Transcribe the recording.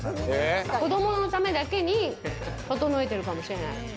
子どものためだけに整えてるかもしれない。